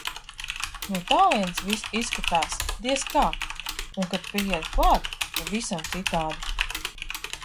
No tālienes viss izskatās, diez kā, un kad pieiet klāt - pavisam citādi.